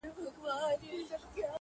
ارمانه اوس درنه ښكلا وړي څوك!!